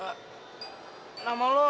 jadi nama lo seril